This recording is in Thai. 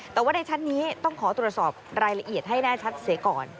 แต่ว่าในชั้นนี้ต้องขอตรวจสอบรายละเอียดให้แน่ชัดเสียก่อน